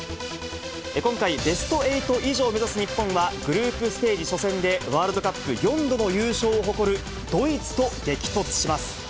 今回、ベスト８以上を目指す日本は、グループステージ初戦でワールドカップ４度の優勝を誇るドイツと激突します。